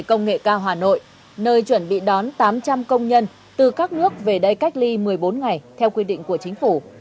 công nghệ cao hà nội nơi chuẩn bị đón tám trăm linh công nhân từ các nước về đây cách ly một mươi bốn ngày theo quy định của chính phủ